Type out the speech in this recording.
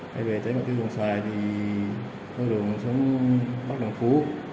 quay về tới bạch thư dùng xoài thì tôi đường xuống bắc đồng phú